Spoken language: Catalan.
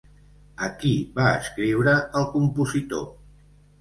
A qui va escriure el compositor?